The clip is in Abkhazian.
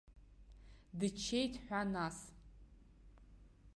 Дыччеит ҳәа, нас.